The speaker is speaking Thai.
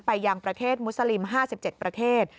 ยังประเทศมุสลิม๕๗ประเทศ